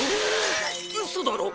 ウソだろ！？